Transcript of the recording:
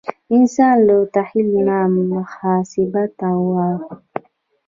انسان له تخیل نه محاسبه ته واوښت.